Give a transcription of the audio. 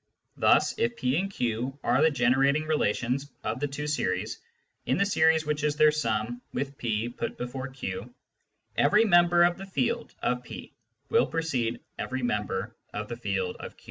Thus if P and Q are the generating relations of the two series, in the series which is their sum with P put before Q, every member of the field of P will precede every member of the field of Q.